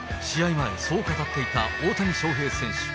前、そう語っていた大谷翔平選手。